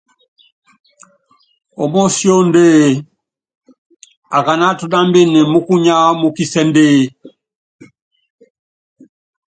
Ómósíóndée, akáná atúnámbini mukunya múkisɛ́ndɛa?